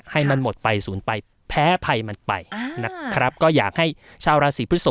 ที่ฮ่ะให้มันหมดไปสูงไปแพ้ภัยมันไปอ่าครับก็อยากให้ชาวราศีพฤศพ